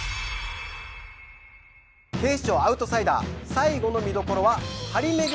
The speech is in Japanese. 『警視庁アウトサイダー』最後の見どころは。